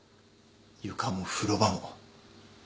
床も風呂場も。